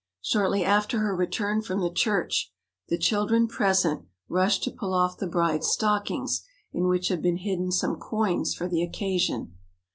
Shortly after her return from the church the children present rush to pull off the bride's stockings, in which have been hidden some coins for the occasion.